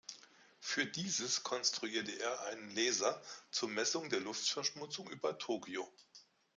Für dieses konstruierte er einen Laser zur Messung der Luftverschmutzung über Tokio.